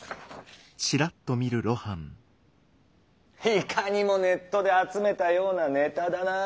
いかにもネットで集めたようなネタだなァー。